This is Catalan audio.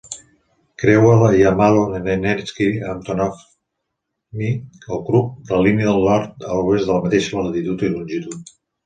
Creua Yamalo-Nenetsky Avtonomny Okrug la línia del nord a l'oest de la mateixa latitud i longitud.